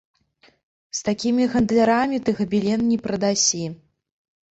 З такімі гандлярамі ты габелен не прадасі.